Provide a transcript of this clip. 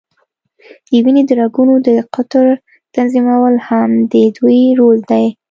د وینې د رګونو د قطر تنظیمول هم د دوی رول دی.